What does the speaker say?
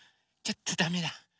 ちょっとダメだ。